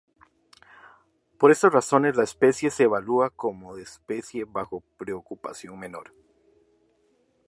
Por estas razones la especie se evalúa como de especie bajo preocupación menor.